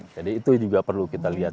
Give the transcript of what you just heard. jadi itu juga perlu kita lihat